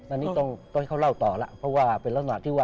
อันนี้ต้องให้เขาเล่าต่อแล้ว